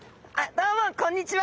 どうもこんにちは。